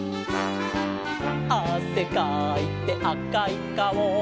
「あせかいてあかいかお」